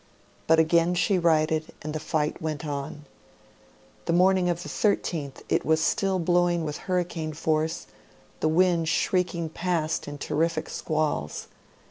But again she righted, and the fight went on. The morning of t.ie 13th, it was still blowing with hurricane force, the wind shri iking past in terrific squalls.